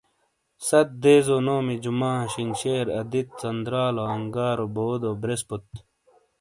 ست دیزو نومی جمعہ , شینگشیر، آدیت، ژندرالو ، انگارو ، بودو ، بریسپوت ۔